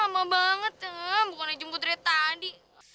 lama banget bukannya jemput dari tadi